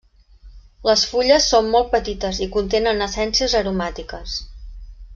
Les fulles són molt petites i contenen essències aromàtiques.